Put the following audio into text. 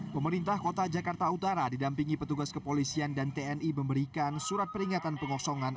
pemerintah kota jakarta utara didampingi petugas kepolisian dan tni memberikan surat peringatan pengosongan